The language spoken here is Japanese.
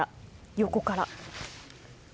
横から。